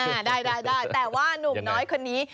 อ่าได้ได้แต่ว่านุ่มน้อยคนนี้